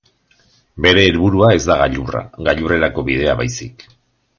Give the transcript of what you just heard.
Bere helburua ez da gailurra, gailurrerako bidea baizik.